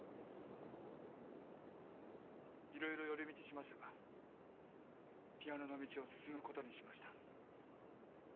いろいろ寄り道しましたがピアノの道を進むことにしました。